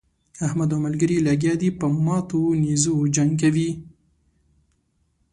احمد او ملګري يې لګيا دي په ماتو نېزو جنګ کوي.